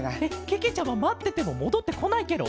けけちゃままっててももどってこないケロ？